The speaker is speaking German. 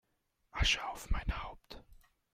Asche auf mein Haupt